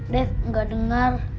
dev gak dengar